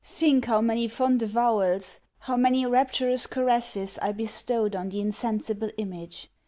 Think how many fond avowals, how many rapturous caresses, I bestowed on the insensible image.